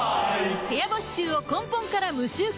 部屋干し臭を根本から無臭化